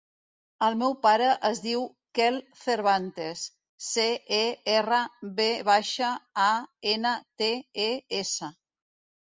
El meu pare es diu Quel Cervantes: ce, e, erra, ve baixa, a, ena, te, e, essa.